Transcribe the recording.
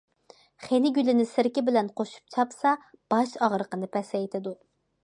خېنە گۈلىنى سىركە بىلەن قوشۇپ چاپسا، باش ئاغرىقىنى پەسەيتىدۇ.